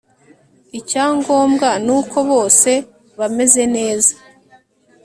Icyangombwa nuko bose bameze neza